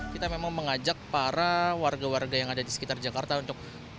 kita memang mengajak para warga warga yang ada di sekitar jakarta untuk